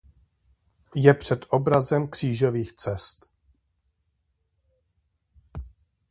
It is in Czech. Je předobrazem křížových cest.